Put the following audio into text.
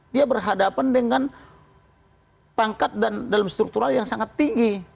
dia berhadapan dengan pangkat dan dalam struktural yang sangat tinggi